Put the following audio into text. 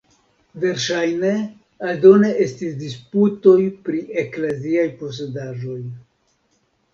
Verŝajne, aldone estis disputoj pri ekleziaj posedaĵoj.